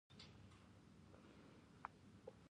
نسک په للمي ځمکو کې کیږي.